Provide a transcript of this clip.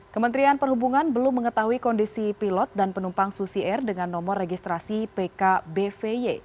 kementerian perhubungan belum mengetahui kondisi pilot dan penumpang susi air dengan nomor registrasi pkbvy